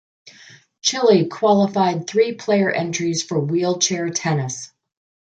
Chile qualified three player entries for wheelchair tennis.